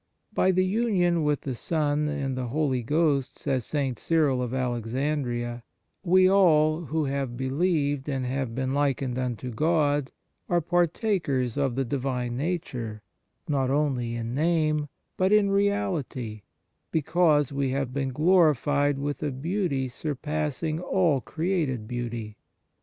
" By the union with the Son and the Holy Ghost," says St. Cyril of Alexandria, " we all, who have believed and have been likened unto God, are partakers of the Divine Nature; not only in name, but in reality, because we have been glorified with a beauty surpassing all created beauty.